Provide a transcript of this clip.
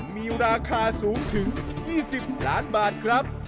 มีราคาสูงถึง๒๐ล้านบาทครับ